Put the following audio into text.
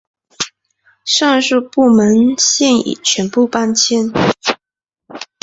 上述部门现已全部搬迁。